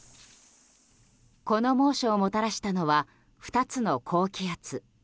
この猛暑をもたらしたのは２つの高気圧。